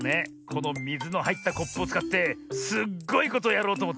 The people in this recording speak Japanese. このみずのはいったコップをつかってすっごいことをやろうとおもってねえ。